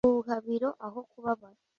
buhabiro aho kubabara